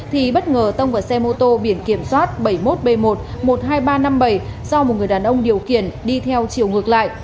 thì bất ngờ tông vào xe mô tô biển kiểm soát bảy mươi một b một một mươi hai nghìn ba trăm năm mươi bảy do một người đàn ông điều khiển đi theo chiều ngược lại